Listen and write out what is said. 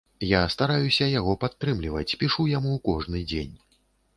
Я стараюся яго падтрымліваць, пішу яму кожны дзень.